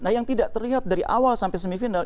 nah yang tidak terlihat dari awal sampai semifinal